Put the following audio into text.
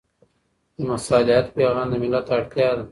د مصالحت پېغام د ملت اړتیا ده.